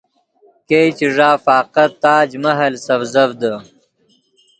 ګئے چے ݱا فقط تاج محل سڤزڤدے